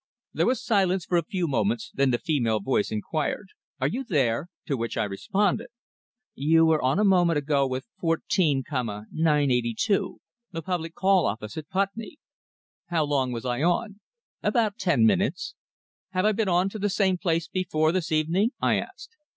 There was silence for a few moments, then the female voice inquired "Are you there?" to which I responded. "You were on a moment ago with 14,982, the public call office at Putney." "How long was I on?" "About ten minutes." "Have I been on to the same place before this evening?" I asked.